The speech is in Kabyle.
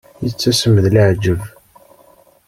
Yettasem d leɛǧeb.